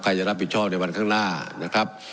ใครจะรับผิดชอบในวันข้างหน้านะครับ